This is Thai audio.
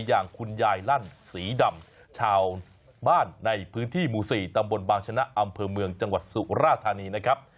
อย่างคุณยายลั่นสีดำชาวบ้านในพื้นที่หมู่๔ตำบลบางชนะอำเภอเมืองจังหวัดสุราธานีนะครับ